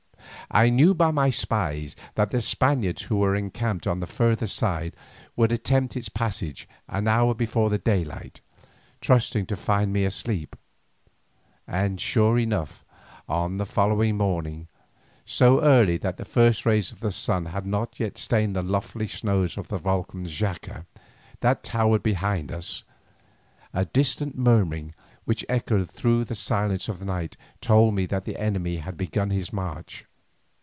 I knew by my spies that the Spaniards who were encamped on the further side would attempt its passage an hour before the daylight, trusting to finding me asleep. And sure enough, on the following morning, so early that the first rays of the sun had not yet stained the lofty snows of the volcan Xaca that towered behind us, a distant murmuring which echoed through the silence of the night told me that the enemy had begun his march.